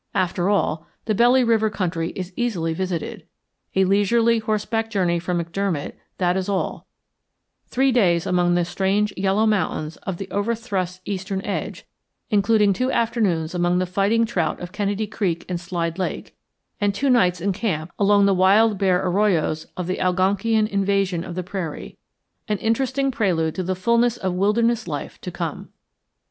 After all, the Belly River country is easily visited. A leisurely horseback journey from McDermott, that is all; three days among the strange yellow mountains of the over thrust's eastern edge, including two afternoons among the fighting trout of Kennedy Creek and Slide Lake, and two nights in camp among the wild bare arroyos of the Algonkian invasion of the prairie an interesting prelude to the fulness of wilderness life to come.